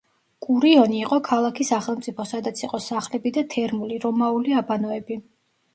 კურიონი იყო ქალაქი-სახელმწიფო, სადაც იყო სახლები და თერმული, რომაული აბანოები.